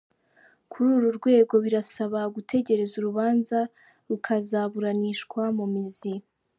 Kuri uru rwego birasaba gutegereza urubanza rukazaburanishwa mu mizi.